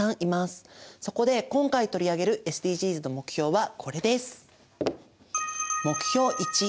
そこで今回取り上げるＳＤＧｓの目標はこれです。